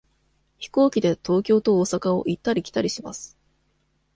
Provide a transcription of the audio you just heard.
飛行機で東京と大阪を行ったり来たりします。